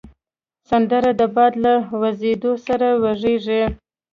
سندره د باد له وزېدو سره وږیږي